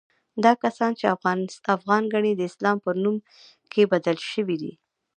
دا کسان چې افغان ګڼي، د اسلام پر نوم کې بدل شوي دي.